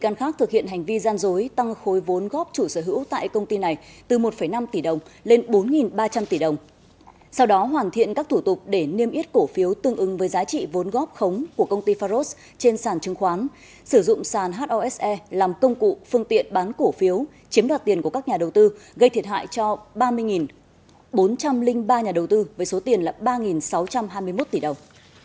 công ty pharos đã thực hiện hành vi gian dối tăng khối vốn góp chủ sở hữu tại công ty này từ một năm tỷ đồng lên bốn ba trăm linh tỷ đồng sau đó hoàn thiện các thủ tục để niêm yết cổ phiếu tương ứng với giá trị vốn góp khống của công ty pharos trên sản chứng khoán sử dụng sản hose làm công cụ phương tiện bán cổ phiếu chiếm đoạt tiền của các nhà đầu tư gây thiệt hại cho ba mươi bốn trăm linh ba nhà đầu tư với số tiền là ba sáu trăm hai mươi một tỷ đồng